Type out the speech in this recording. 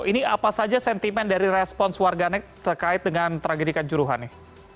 ini apa saja sentimen dari respons warganek terkait dengan tragedi ikan juruhan ya